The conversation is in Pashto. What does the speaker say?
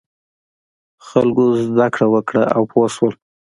خلکو زده کړه وکړه او پوه شول.